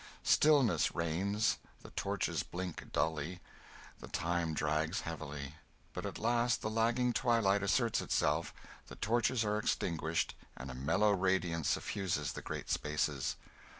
Stillness reigns, the torches blink dully, the time drags heavily. But at last the lagging daylight asserts itself, the torches are extinguished, and a mellow radiance suffuses the great spaces.